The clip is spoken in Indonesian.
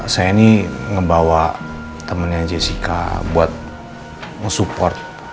saya ini ngebawa temannya jessica buat ngesupport